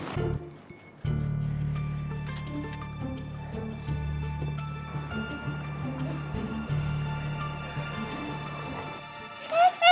yang kamu pake